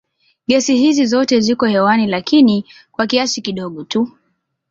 Gesi hizi zote ziko hewani lakini kwa kiasi kidogo tu.